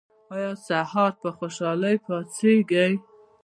ایا سهار په خوشحالۍ پاڅیږئ؟